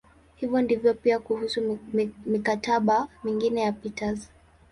Hivyo ndivyo pia kuhusu "mikataba" mingine ya Peters.